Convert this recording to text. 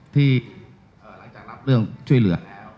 ที่หลังจากรับเรื่องช่วยเหลือแล้ว